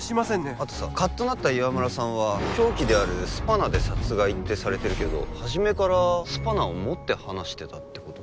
あとさカッとなった岩村さんは凶器であるスパナで殺害ってされてるけど初めからスパナを持って話してたってこと？